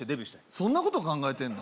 そんなこと考えてんの？